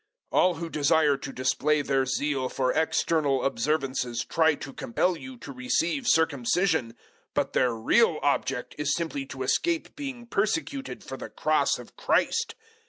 006:012 All who desire to display their zeal for external observances try to compel you to receive circumcision, but their real object is simply to escape being persecuted for the Cross of Christ.